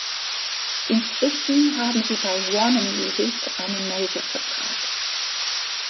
Inzwischen haben sie bei Warner Music einen Major-Vertrag.